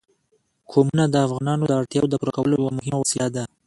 قومونه د افغانانو د اړتیاوو د پوره کولو یوه مهمه وسیله ده.